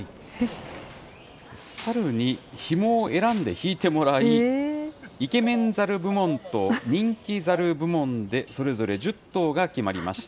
サルにひもを選んで引いてもらい、イケメンザル部門と人気ザル部門でそれぞれ１０頭が決まりました。